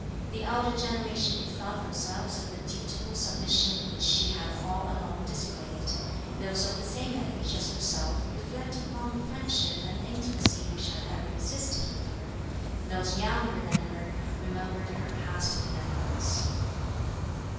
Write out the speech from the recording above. The elder generation bethought themselves of the dutiful submission which she had all along displayed; those of the same age as herself reflected upon the friendship and intimacy which had ever existed with her; those younger than her remembered her past benevolence.